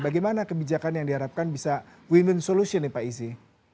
bagaimana kebijakan yang diharapkan bisa win win solution nih pak izi